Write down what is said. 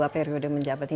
dua periode menjabati